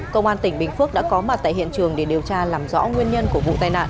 công an tỉnh bình phước đã có mặt tại hiện trường để điều tra làm rõ nguyên nhân của vụ tai nạn